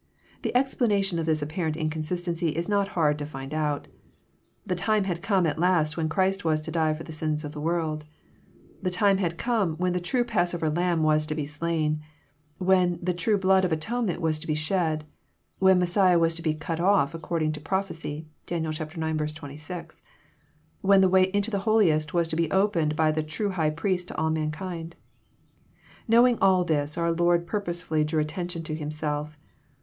The explanation of this apparent inconsistency is not hard to find out. The time had come at last when Christ was to die for the sins of the world. The time had come when the true passover Lamb was to be slain, when the true blood of atonement was to be shed, when Messiah was to be ^^cut off" according to prophecy, (Dan. ix. 26,) when the way into the holiest was to be opened by the true High Priest to all mankind. Knowing all this, our Lord purposely drew attention to Himself.